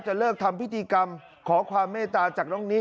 เลิกทำพิธีกรรมขอความเมตตาจากน้องนิ